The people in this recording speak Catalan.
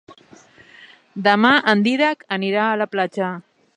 Demà en Dídac anirà a la platja.